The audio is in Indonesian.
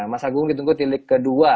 mas agung ditunggu tilik kedua